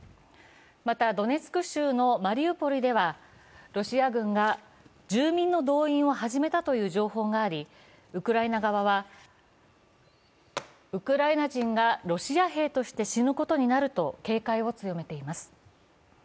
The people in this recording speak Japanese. またドネツク州のマリウポリではロシア軍が住民の動員を始めたとの情報があり、ウクライナ側はウクライナ人がロシア兵として死ぬことになると警戒を強めています。